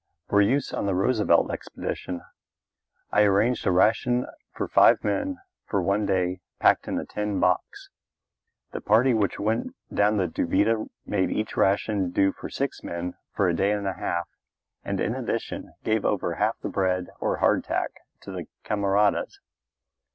For use on the Roosevelt expedition I arranged a ration for five men for one day packed in a tin box; the party which went down the Duvida made each ration do for six men for a day and a half, and in addition gave over half the bread or hardtack to the camaradas.